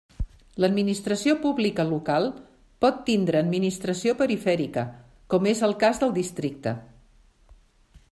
L'administració pública local pot tindre administració perifèrica, com és el cas del districte.